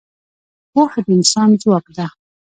پوهه د انسان ځواک ده.